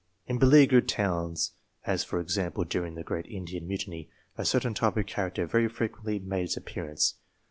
In beleaguered towns, as, for example, during the great Indian mutiny, a certain type of character TWO CLASSIFICATIONS 43 very frequently made its appearance.